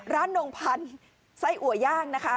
ร้านนงพันส์ไส้อั่วย่างนะคะ